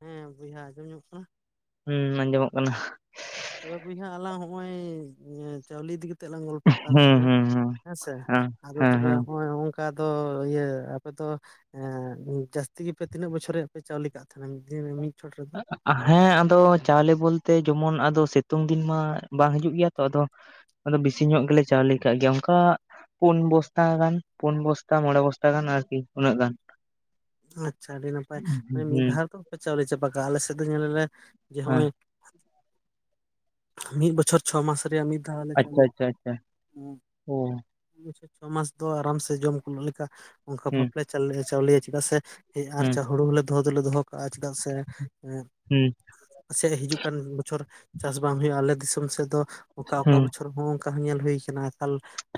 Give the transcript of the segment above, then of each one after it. ᱦᱮᱸ ᱵᱚᱭᱦᱟ ᱟᱸᱡᱚᱢ ᱧᱟᱢᱚᱜ ᱠᱟᱱᱟ? ᱦᱩᱸ ᱟᱸᱡᱚᱢᱚᱜ ᱠᱟᱱᱟ ᱾ ᱛᱚᱵᱮ ᱵᱚᱭᱦᱟ ᱟᱞᱟᱝ ᱦᱚᱸᱜᱼᱚᱭ ᱪᱟᱣᱞᱤ ᱤᱫᱤ ᱠᱤᱛ ᱛᱮᱜ ᱞᱟᱝ ᱜᱚᱞᱯᱚᱜ ᱠᱟᱱ ᱦᱩᱸ ᱛᱷᱮᱱᱟ ᱦᱩᱸ ᱦᱩᱸ ᱦᱮᱸᱥᱮ ᱦᱮᱸ ᱟᱫᱚ ᱦᱮᱸ ᱛᱚᱵᱮ ᱦᱮᱸ ᱦᱚᱜᱼᱚᱭ ᱚᱝ ᱠᱟ ᱫᱚ ᱤᱭᱟᱹ ᱟᱯᱮ ᱫᱚ ᱮ ᱡᱟᱹᱥᱛᱤ ᱜᱮᱯᱮ ᱛᱤᱱᱟᱹᱜ ᱵᱚᱪᱷᱚᱨ ᱨᱮᱭᱟᱜ ᱯᱮ ᱪᱟᱣᱞᱮ ᱠᱟᱜ᱾ [unintelligible] ᱢᱤᱫ ᱪᱷᱚᱴ ᱨᱮ ᱫᱚ? ᱦᱮᱸ ᱟᱫᱚ ᱪᱟᱣᱞᱮ ᱵᱚᱞᱛᱮ ᱡᱚᱢᱚᱱ ᱟᱫᱚ ᱥᱮᱛᱳᱝ ᱫᱤᱱ ᱢᱟ ᱵᱟᱝ ᱦᱤᱡᱩᱜ ᱜᱮᱭᱟ ᱛᱚ ᱟᱫᱚ ᱾ ᱟᱫᱚ ᱵᱤᱥᱤ ᱧᱚᱜ ᱜᱮᱞᱮ ᱪᱟᱣᱞᱮ ᱠᱟᱜ ᱜᱮᱭᱟ ᱚᱱᱠᱟ ᱯᱩᱱ ᱵᱚᱥᱛᱟ ᱜᱟᱱ ᱯᱩᱱ ᱵᱚᱥᱛᱟ ᱢᱚᱬᱮ ᱵᱚᱥᱛᱟ ᱜᱟᱱ ᱟᱨᱠᱤ ᱩᱱᱟᱹᱜ ᱜᱟᱱ ᱾ ᱟᱪᱪᱷᱟ ᱟᱹᱰᱤ ᱱᱟᱯᱟᱭ ᱢᱟᱱᱮ ᱢᱤᱫ ᱦᱮᱸ ᱫᱷᱟᱣ ᱫᱚ‌ ᱵᱟᱯᱮ ᱪᱟᱣᱞᱮ ᱪᱟᱵᱟ ᱠᱟᱜᱼᱟ ᱟᱞᱮ ᱥᱮᱫ ᱫᱚ ᱧᱮᱞ ᱟᱞᱮ ᱡᱮ ᱦᱚᱜᱼᱚᱭ ᱾ ᱢᱤᱜ ᱵᱚᱪᱷᱚᱨ ᱪᱷᱚ ᱢᱟᱥ ᱨᱮᱭᱟᱜ ᱢᱤᱫ ᱫᱷᱟᱣ ᱞᱮ ᱟᱪᱪᱷᱟ ᱪᱟᱣᱞᱮ ᱟᱪᱪᱷᱟ ᱟᱪᱪᱷᱟ ᱚ ᱾ [unintelligible] ᱪᱷᱚ ᱢᱟᱥ ᱫᱚ ᱟᱨᱟᱢ ᱥᱮ ᱡᱚᱢ ᱠᱩᱞᱟᱹᱜ ᱞᱮᱠᱟ ᱚᱝᱠᱟ ᱦᱩᱸ ᱵᱷᱟᱵᱽᱞᱮ ᱪᱟᱜᱞᱮ ᱪᱟᱣᱞᱮᱭᱟ ᱪᱮᱫᱟᱜ ᱥᱮ ᱮ ᱦᱩᱸ ᱟᱨᱪᱷᱟ ᱦᱩᱲᱩ ᱦᱚᱸᱞᱮ ᱫᱚᱦᱚ ᱫᱚᱞᱮ ᱫᱚᱦᱚ ᱠᱟᱜᱼᱟ ᱪᱮᱫᱟᱜ ᱥᱮ ᱮ ᱦᱩᱸ, ᱥᱮ ᱦᱤᱡᱩᱜ ᱠᱟᱱ ᱵᱚᱪᱷᱚᱨ ᱪᱟᱥ ᱵᱟᱝ ᱦᱳᱭᱳᱜᱼᱟ ᱟᱞᱮ ᱫᱤᱥᱚᱢ ᱥᱮᱫ ᱫᱚ ᱚᱠᱟ ᱚᱠᱟ ᱦᱩᱸ ᱵᱚᱪᱷᱚ ᱚᱨ ᱦᱚᱸ ᱚᱱᱠᱟ ᱦᱚᱸ ᱧᱮᱞ ᱦᱩᱭ ᱠᱟᱱᱟ ᱟᱠᱟᱞ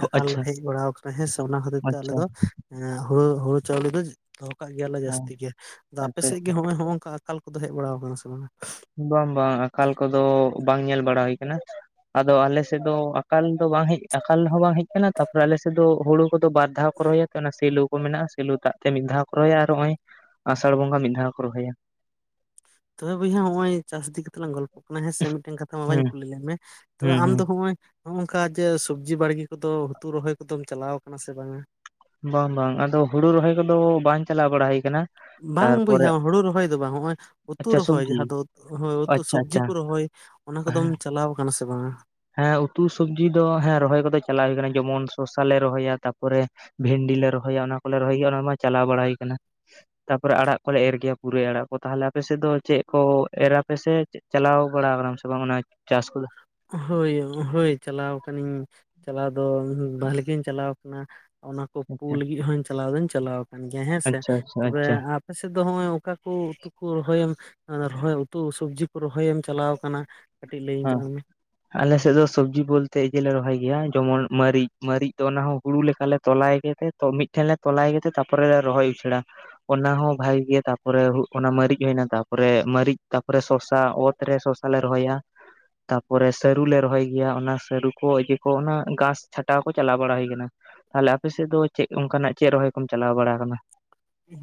ᱟᱠᱟᱞ ᱟᱪᱪᱷᱟ ᱦᱮᱡ ᱵᱟᱲᱟᱣ ᱠᱟᱱᱟ ᱦᱮᱸ ᱥᱮ ᱚᱱᱟ ᱠᱷᱟᱹᱛᱤᱨ ᱛᱮ ᱟᱞᱮ ᱟᱪᱪᱷᱟ ᱫᱚ ᱮᱸ ᱦᱳᱲᱳ ᱦᱳᱲᱳ ᱪᱟᱣᱞᱮ ᱫᱚᱡ ᱠᱟᱜ ᱜᱮᱭᱟᱞᱮ ᱚ ᱡᱟᱹᱥᱛᱤ ᱜᱮ ᱟᱫᱚ ᱟᱯᱮ ᱟᱪᱪᱷᱟ ᱥᱮᱫ ᱜᱮ ᱦᱚᱜᱼᱚᱭ ᱦᱚᱝᱠᱟ ᱟᱠᱟᱞ ᱠᱚᱫᱚ ᱦᱮᱡ ᱵᱟᱲᱟᱣ ᱠᱟᱱᱟ ᱥᱮ ᱵᱟᱝᱟ? ᱵᱟᱝ ᱵᱟᱝ ᱟᱠᱟᱞ ᱠᱚᱫᱚ ᱵᱟᱝ ᱧᱮᱞ ᱵᱟᱲᱟ ᱦᱩᱭ ᱠᱟᱱᱟ ᱾ ᱟᱫᱚ ᱟᱞᱮ ᱥᱮᱫ ᱫᱚ ᱟᱠᱟᱞ ᱫᱚ ᱵᱟᱝ ᱦᱮᱡ ᱟᱠᱟᱞ ᱦᱚᱸ ᱵᱟᱝ ᱦᱮᱡ ᱠᱟᱱᱟ ᱛᱟᱯᱚᱨᱮ ᱟᱞᱮᱥᱮᱫ ᱫᱚ ᱦᱳᱲᱳ ᱠᱚ ᱫᱚ ᱵᱟᱨ ᱫᱷᱟᱣ ᱠᱚ ᱨᱚᱦᱚᱭᱟ ᱚᱱᱟ ᱥᱮᱞᱳ ᱠᱚ ᱢᱮᱱᱟᱜᱼᱟ ᱥᱤᱞᱳ ᱫᱟᱜ ᱛᱮ ᱢᱤᱫ ᱫᱷᱟᱣ ᱠᱚ ᱨᱚᱦᱚᱭᱟ ᱟᱨ ᱚᱜᱼᱚᱭ ᱟᱥᱟᱲ ᱵᱚᱸᱜᱟ ᱢᱤᱫ ᱫᱷᱟᱣ ᱠᱚ ᱨᱚᱦᱚᱭᱟ ᱾ ᱛᱚᱵᱮ ᱵᱚᱭᱦᱟ ᱦᱚᱜ ᱚᱭ ᱪᱟᱥ ᱤᱫᱤ ᱠᱟᱛᱮᱜ ᱞᱟᱝ ᱜᱚᱞᱯᱚ ᱠᱟᱱᱟ ᱦᱮᱸ ᱥᱮ ᱢᱤᱜᱴᱮᱱ ᱠᱟᱛᱷᱟ ᱢᱟ ᱵᱟᱭ ᱦᱩᱸ ᱠᱩᱞᱤ ᱞᱮᱫ ᱢᱮ ᱛᱚᱵᱮ ᱦᱩᱸ ᱟᱢ ᱦᱩᱸ ᱫᱚ ᱦᱚᱜᱼᱚᱭ ᱦᱚᱜᱼᱚᱝᱠᱟ ᱡᱮ ᱥᱚᱵᱽᱡᱤ ᱵᱟᱲᱜᱮ ᱠᱚᱫᱚ ᱦᱩᱛᱩ ᱨᱚᱦᱚᱭ ᱠᱚᱫᱚᱢ ᱪᱟᱞᱟᱣ ᱠᱟᱱᱟ ᱥᱮ ᱵᱟᱝᱟ? ᱵᱟᱝ ᱵᱟᱝ ᱟᱫᱚ ᱦᱩᱲᱩ ᱨᱚᱦᱚᱭ ᱠᱚᱫᱚ ᱵᱟᱱ ᱪᱟᱞᱟᱣ ᱵᱟᱲᱟ ᱦᱩᱭ ᱠᱟᱱᱟ ᱾ ᱵᱟᱝ ᱵᱚᱭᱦᱟ ᱦᱳᱲᱳ ᱨᱚᱦᱚᱭ ᱫᱚ ᱵᱟᱝ ᱦᱚᱜᱼᱚᱭ ᱩᱛᱩ ᱟᱪᱪᱷᱟ ᱨᱚᱦᱚᱭ ᱥᱚᱵᱽᱡᱤ ᱡᱟᱦᱟᱸ ᱫᱚ ᱦᱳᱭ ᱩᱛᱩ ᱟᱪᱪᱷᱟ ᱥᱚᱵᱡᱤ ᱟᱪᱪᱷᱟ ᱠᱚ ᱨᱚᱦᱚᱭ ᱚᱱᱟ ᱠᱚᱫᱚᱢ ᱦᱮᱸ ᱪᱟᱞᱟᱣ ᱠᱟᱱᱟ ᱥᱮ ᱵᱟᱝᱟ ᱦᱮᱸ ᱩᱛᱩ ᱥᱚᱵᱡᱤ ᱫᱚ ᱦᱮᱸ ᱨᱚᱦᱚᱭ ᱠᱚᱫᱚ ᱪᱟᱞᱟ ᱦᱩᱭ ᱟᱠᱟᱱᱟ ᱡᱮᱢᱚᱱ ᱥᱚᱥᱟ ᱞᱮ ᱨᱚᱦᱚᱭᱟ ᱛᱟᱯᱚᱨᱮ ᱵᱷᱮᱱᱰᱤ ᱞᱮ ᱨᱚᱦᱚᱭᱟ ᱚᱱᱟ ᱠᱚᱞᱮ ᱨᱚᱦᱚᱭ ᱜᱮᱭᱟ ᱚᱱᱟ ᱢᱟ ᱪᱟᱞᱟᱣ ᱵᱟᱲᱟᱭ ᱠᱟᱱᱟ ᱛᱟᱯᱚᱨᱮ ᱟᱲᱟᱜ ᱠᱚᱞᱮ ᱮᱨ ᱜᱮᱭᱟ ᱯᱩᱨᱟᱹᱭ ᱟᱲᱟᱜ ᱠᱚ ᱛᱟᱦᱚᱞᱮ ᱟᱯᱮ ᱥᱮᱫ ᱫᱚ ᱪᱮᱫ ᱠᱚ ᱮᱨᱟᱯᱮᱥᱮ ᱪᱟᱞᱟᱣ ᱵᱟᱲᱟ ᱠᱟᱱᱟᱢ ᱥᱮ ᱵᱟᱝ ᱚᱱᱟ ᱪᱟᱥ ᱠᱚᱫᱚ ᱦᱳᱭ ᱦᱳᱭ ᱪᱟᱞᱟᱣ ᱠᱟᱱᱟᱹᱧ ᱪᱟᱞᱟᱣ ᱫᱚ ᱵᱷᱟᱞᱮ ᱜᱮᱧ ᱪᱟᱞᱟᱣ ᱠᱟᱱᱟ ᱚᱱᱟ ᱠᱚ ᱯᱩ ᱟᱪᱪᱷᱟ ᱞᱟᱹᱜᱤᱫ ᱦᱚᱸᱧ ᱪᱟᱞᱟᱣ ᱫᱚᱧ ᱪᱟᱞᱟᱣ ᱠᱟᱱ ᱜᱮᱭᱟ ᱦᱮᱸ ᱥᱮ ᱟᱪᱪᱷᱟ ᱟᱪᱪᱷᱟ ᱛᱚᱵᱮ ᱟᱪᱪᱷᱟ ᱟᱯᱮ ᱥᱮᱫ ᱫᱚ ᱦᱚᱜᱼᱚᱭ ᱚᱠᱟ ᱩᱛᱩ ᱠᱚ ᱨᱚᱦᱚᱭ ᱮᱢ ᱨᱚᱦᱚᱭ ᱩᱛᱩ ᱥᱚᱵᱡᱤ ᱠᱚ ᱨᱚᱦᱚᱭ ᱮᱢ ᱪᱟᱞᱟᱣ ᱠᱟᱱᱟ ᱠᱟᱹᱴᱤᱡ ᱞᱟᱹᱭᱟᱹᱧ ᱛᱟᱞᱟᱝ ᱢᱮ ᱟᱞᱮᱥᱮᱫ ᱫᱚ ᱥᱚᱵᱡᱤ ᱵᱚᱞᱛᱮ ᱤᱭᱟᱞᱮ ᱨᱚᱦᱚᱭ ᱜᱮᱭᱟ ᱡᱚᱢᱚᱱ ᱢᱟᱹᱨᱤᱡ ᱢᱟᱹᱨᱤᱡ ᱫᱚ ᱚᱱᱟ ᱦᱚᱸ ᱦᱩᱲᱩ ᱞᱮᱠᱟᱞᱮ ᱛᱚᱞᱟᱭ ᱜᱮ ᱛᱮ ᱛᱳ ᱢᱣᱤᱫᱴᱷᱮᱱ ᱞᱮ ᱛᱚᱞᱟᱭ ᱜᱮᱛᱮ ᱛᱟᱯᱚᱨᱮ ᱞᱮ ᱨᱚᱦᱚᱭ ᱩᱪᱟᱹᱲᱟ ᱚᱱᱟ ᱦᱚᱸ ᱵᱷᱟᱜᱤ ᱜᱮ ᱛᱟᱯᱚᱨᱮ ᱚᱱᱟ ᱢᱟᱹᱨᱤᱡ ᱦᱩᱭᱱᱟ ᱛᱟᱯᱚᱨᱮ ᱢᱟᱹᱨᱤᱡ ᱛᱟᱯᱚᱨᱮ ᱥᱚᱥᱟ ᱚᱛ ᱨᱮ ᱥᱚᱥᱟ ᱞᱮ ᱨᱚᱦᱚᱭᱟ ᱛᱟᱯᱚᱨᱮ ᱥᱟᱹᱨᱩ ᱞᱮ ᱨᱚᱦᱚᱭ ᱜᱮᱭᱟ ᱚᱱᱟ ᱥᱟᱹᱨᱩ ᱠᱚ ᱤᱭᱟᱹ ᱠᱚ ᱚᱱᱟ ᱜᱷᱟᱥ ᱪᱷᱟᱴᱟᱣ ᱠᱚ ᱪᱟᱞᱟᱣ ᱵᱟᱲᱟ ᱦᱩᱭ ᱠᱟᱱᱟ ᱛᱟᱦᱚᱞᱮ ᱟᱯᱮ ᱥᱮᱫ ᱫᱚ ᱪᱮᱫ ᱚᱱᱠᱟᱱᱟᱜ ᱪᱮᱫ ᱨᱚᱦᱚᱭ ᱠᱚᱢ ᱪᱟᱞᱟᱣ ᱵᱟᱲᱟ ᱠᱟᱱᱟ᱾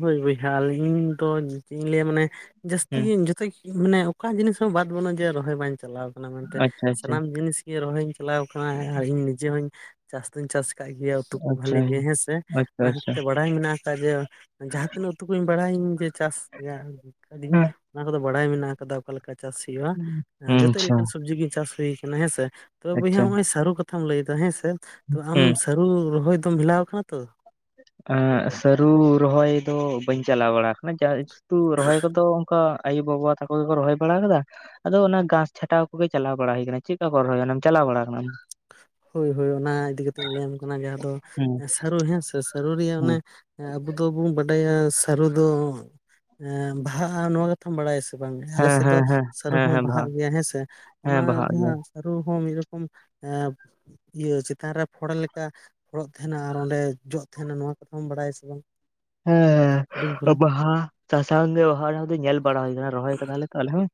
ᱦᱳᱭ ᱵᱚᱭᱦᱟ ᱟᱞᱤᱧᱫᱚ ᱪᱮᱫ ᱤᱧ ᱞᱟᱹᱭᱟ ᱢᱟᱱᱮ ᱡᱟᱹᱥᱛᱤ ᱦᱩᱸ ᱜᱮ ᱡᱚᱛᱚ ᱢᱟᱱᱮ ᱚᱠᱟ ᱡᱤᱱᱤᱥ ᱦᱚᱸ ᱵᱟᱫ ᱵᱟᱹᱱᱩᱜᱼᱟ ᱡᱮ ᱨᱚᱦᱚᱭ ᱵᱟᱧ ᱪᱟᱞᱟᱣ ᱠᱟᱱᱟ ᱢᱮᱱᱛᱮ ᱟᱪᱪᱷᱟ ᱟᱪᱪᱷᱟ ᱥᱟᱱᱟᱢ ᱡᱤᱱᱤᱥ ᱜᱮ ᱨᱚᱦᱚᱭᱧ ᱪᱟᱞᱟᱣ ᱟᱠᱟᱱᱟ ᱟᱨ ᱤᱧ ᱱᱤᱡᱮ ᱦᱚᱸᱧ ᱪᱟᱥ ᱫᱩᱧ ᱪᱟᱥ ᱟᱠᱟᱫ ᱜᱮᱭᱟ ᱩᱛᱩ ᱠᱚ ᱟᱪᱪᱷᱟ ᱵᱷᱟᱞᱤ ᱜᱮ ᱦᱮᱸᱥᱮ ᱟᱪᱪᱷᱟ ᱚᱱᱟ ᱦᱚᱛᱮᱡ ᱟᱪᱪᱷᱟ ᱛᱮ ᱵᱟᱲᱟᱭ ᱢᱮᱱᱟᱜ ᱠᱟᱜ-ᱟ ᱡᱮ ᱡᱟᱦᱟᱸ ᱛᱤᱱᱟᱹᱜ ᱩᱛᱩ ᱠᱚᱧ ᱵᱟᱲᱟᱭᱟᱹᱧ ᱡᱮ ᱪᱟᱥ ᱨᱮᱭᱟᱜ ᱠᱟᱹᱫᱤᱧ ᱦᱩᱸ ᱚᱱᱟ ᱠᱚᱫᱚ ᱵᱟᱲᱟᱭ ᱢᱮᱱᱟᱜ ᱟᱠᱟᱫᱟ ᱚᱠᱟ ᱞᱮᱠᱟ ᱪᱟᱥ ᱦᱩᱭᱩᱜᱼᱟ ᱟ ᱡᱚᱛᱚᱪ ᱟᱪᱪᱷᱟ ᱞᱮᱠᱟᱱ ᱥᱚᱵᱡᱤ ᱜᱤ ᱪᱟᱥ ᱦᱩᱭᱟᱠᱟᱱᱟ ᱦᱮᱸ ᱥᱮ ᱛᱳ ᱵᱚᱭᱦᱟ ᱟᱪᱪᱷᱟ ᱱᱚᱜ ᱚᱚᱭ ᱥᱟᱹᱨᱩ ᱠᱟᱛᱷᱟᱢ ᱞᱟᱹᱭᱮᱫᱟ ᱦᱮᱸᱥ ᱛ ᱟᱢ ᱦᱩᱸ ᱥᱟᱹᱨᱩ ᱨᱚᱦᱚᱭ ᱫᱚᱢ ᱵᱷᱮᱞᱟ ᱟᱠᱟᱱᱟ ᱛᱳ ᱥᱟᱹᱨᱩ ᱨᱚᱦᱚᱭ ᱫᱚ ᱵᱟᱹᱧ ᱪᱟᱞᱟᱣ ᱵᱟᱲᱟ ᱟᱠᱟᱱᱟ ᱢᱟᱱᱮ ᱡᱟ ᱛᱩ ᱨᱚᱦᱚᱭ ᱠᱚᱫᱚ ᱚᱱᱠᱟ ᱟᱭᱩ ᱵᱟᱵᱟ ᱛᱟᱠᱚ ᱜᱮᱠᱚ ᱨᱚᱦᱚᱭ ᱵᱟᱲᱟ ᱟᱠᱟᱫᱟᱼᱼ ᱟᱫᱚ ᱚᱱᱟ ᱜᱷᱟᱥ ᱪᱷᱟᱴᱟᱣ ᱠᱚᱜᱮ ᱪᱟᱞᱟᱣ ᱵᱟᱲᱟ ᱦᱩᱭ ᱟᱠᱟᱱᱟᱱᱟ ᱪᱮᱫ ᱞᱮᱠᱟ ᱠᱚ ᱨᱚᱦᱚᱭ ᱟ ᱪᱟᱞᱟᱣ ᱵᱟᱲᱟ ᱟᱠᱟᱱᱟ ᱟᱢᱼᱼᱼ ᱦᱳᱭ ᱦᱳᱭ ᱚᱱᱟ ᱤᱫᱤ ᱠᱟᱛᱮᱜᱧ ᱞᱟᱹᱭᱟᱢ ᱠᱟᱱᱟ ᱡᱟᱦᱟᱸ ᱫᱚ ᱟᱢ? ᱥᱟᱹᱨᱩ ᱦᱮᱸᱥ ᱥᱟᱹᱨᱩ ᱨᱮᱭᱟᱜ ᱚᱱᱮ ᱟᱵᱚ ᱫᱚᱵᱚᱱ ᱵᱟᱰᱟᱭᱟ ᱥᱟᱹᱨᱩ ᱫᱚ ᱵᱟᱦᱟᱜᱼᱟ ᱱᱚᱣᱟ ᱛᱷᱟᱢ ᱵᱟᱲᱟᱭᱟ ᱥᱮ ᱵᱟᱝ ᱟᱞᱮ ᱦᱮᱸ ᱥᱮᱫ ᱫᱚ ᱦᱮᱸ ᱦᱮᱸ ᱥᱟᱹᱨᱩ ᱦᱮᱸ ᱦᱚᱸ ᱦᱮᱸ ᱵᱟᱦᱟᱜ ᱜᱮᱭᱟ ᱦᱮᱸ ᱥᱮ ᱚᱱᱟ ᱦᱮᱸ ᱵᱟᱦᱟᱜ ᱜᱮᱭᱟ ᱡᱟᱦᱟᱸ ᱥᱟᱨᱩ ᱦᱚᱸ ᱢᱤᱫ ᱨᱚᱠᱚᱢ ᱮᱸ ᱤᱭᱟᱹ ᱪᱮᱛᱟᱱ ᱨᱮ ᱯᱷᱚᱲ ᱞᱮᱠᱟ ᱯᱷᱚᱲᱚᱜ ᱛᱟᱦᱮᱱᱟ ᱟᱨ ᱚᱸᱰᱮ ᱡᱚᱜ ᱛᱟᱦᱮᱱᱟ ᱱᱚᱣᱟ ᱠᱟᱛᱷᱟᱢ ᱵᱟᱲᱟᱭᱟᱥ ᱵᱟᱝ ᱦᱩᱰᱤᱧ ᱯᱟᱨᱟ ᱦᱮᱸ ᱵᱟᱦᱟ [inaudible] ᱧᱮᱞ ᱵᱟᱲᱟ ᱦᱩᱭ ᱟᱠᱟᱱᱟ ᱨᱚᱦᱚᱭ ᱠᱟᱫᱟᱞᱮ ᱛᱚ ᱟᱞᱮ ᱦᱚᱸ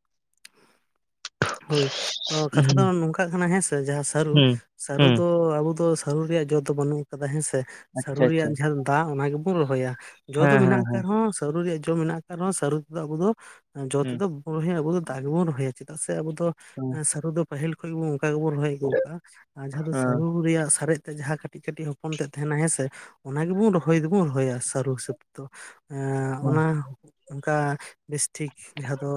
ᱦᱳᱭ ᱛᱳ ᱠᱟᱛᱷᱟ ᱫᱚ ᱦᱩᱸ ᱱᱚᱝᱠᱟᱜ ᱠᱟᱱᱟ ᱦᱮᱸ ᱥᱮ ᱡᱟᱦᱟᱸ ᱥᱟᱹᱨᱩ ᱦᱩᱸ ᱥᱟᱹᱨᱩ ᱦᱩᱸ ᱫᱚ ᱟᱵᱚ ᱫᱚ ᱥᱟᱹᱨᱩ ᱨᱮᱭᱟᱜ ᱡᱚ ᱫᱚ ᱵᱟᱹᱱᱩᱜ ᱟᱠᱟᱫᱟ ᱦᱮᱸᱥᱮ ᱥᱟᱹᱨᱩ ᱟᱪᱪᱷᱟ ᱟᱪᱪᱷᱟ ᱨᱮᱭᱟᱜ ᱡᱟᱦᱟᱸ ᱫᱟ ᱚᱱᱟ ᱜᱮᱵᱚᱱ ᱨᱚᱦᱚᱭᱟ ᱡᱚ ᱦᱮᱸ ᱫᱚ ᱦᱮᱸ ᱢᱮᱱᱟᱜ ᱟᱠᱟᱫ ᱨᱮᱦᱚᱸ ᱥᱟᱹᱨᱩ ᱨᱮᱭᱟᱜ ᱡᱚ ᱢᱮᱱᱟᱜ ᱟᱠᱟᱫ ᱨᱮᱦᱚᱸ ᱥᱟᱹᱨᱩ ᱛᱮᱫᱚ ᱟᱵᱚ ᱫᱚ ᱡᱚ ᱦᱮᱸ ᱛᱮᱫᱚ ᱟᱵᱚ ᱫᱟ ᱜᱮᱵᱚᱱ ᱨᱚᱦᱚᱭᱟ ᱪᱮᱫᱟᱜ ᱥᱮ ᱟᱵᱚ ᱫᱚ ᱥᱟᱨᱩ ᱫᱚ ᱯᱟᱹᱦᱤᱞ ᱠᱷᱚᱱᱚᱡ ᱜᱮᱵᱚᱱ ᱚᱱᱠᱟ ᱜᱮᱵᱚᱱ ᱨᱚᱦᱚᱭ ᱟᱹᱜᱩ ᱟᱠᱟᱜᱼᱟ ᱟᱨ ᱡᱟᱦᱟᱸ ᱫᱚ ᱥᱟᱹᱨᱩ ᱦᱮᱸ ᱨᱮᱭᱟᱜ ᱥᱟᱨᱮᱡ ᱛᱮ ᱡᱟᱦᱟᱸ ᱠᱟᱹᱴᱤᱡ ᱠᱟᱹᱴᱤᱡ ᱦᱚᱯᱚᱱ ᱛᱮᱜ ᱛᱟᱦᱮᱱᱟ ᱦᱮᱸᱥᱮ ᱚᱱᱟ ᱜᱮᱵᱚᱱ ᱨᱚᱦᱚᱭ ᱫᱚᱵᱚᱱ ᱨᱚᱦᱚᱭᱟ ᱥᱟᱹᱨᱩ ᱦᱤᱥᱟᱹᱵ ᱛᱮ ᱫᱚ ᱦᱮᱸ ᱦᱮᱸ ᱦᱮᱸ ᱚᱱᱟ ᱚᱱᱠᱟ ᱵᱮᱥᱴᱷᱤᱠ ᱡᱟᱦᱟᱸ ᱫᱚ